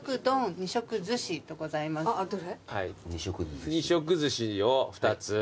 二色寿司を２つ。